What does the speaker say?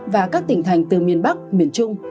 và các tỉnh thành từ miền bắc miền trung